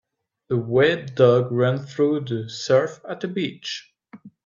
A wet dog runs through the surf at a beach.